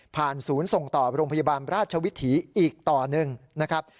ศูนย์ส่งต่อโรงพยาบาลราชวิถีอีกต่อหนึ่งนะครับ